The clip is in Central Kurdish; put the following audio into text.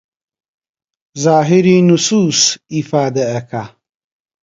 زاهیری نوسووس ئیفادە ئەکا